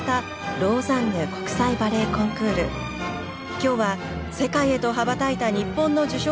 今日は世界へと羽ばたいた日本の受賞